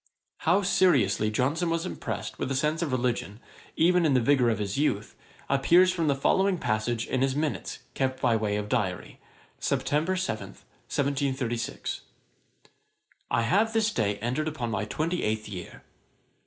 ] How seriously Johnson was impressed with a sense of religion, even in the vigour of his youth, appears from the following passage in his minutes kept by way of diary: Sept. 7, 1736. I have this day entered upon my twenty eighth year.